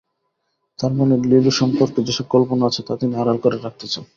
তাঁর মনে নীলু সম্পর্কে যেসব কল্পনা আছে, তা তিনি আড়াল করে রাখতে চান।